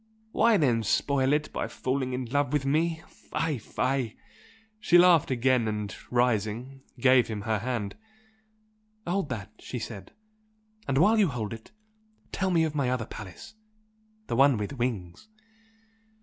Why then spoil it by falling in love with me? Fie, fie!" She laughed again and rising, gave him her hand. "Hold that!" she said "And while you hold it, tell me of my other palace the one with wings!"